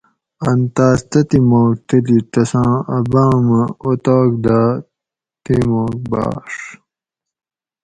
ان تاس تتھی ماک تلی تساں اۤ بامہ اوتاک داۤ تیماک بھاۤڛ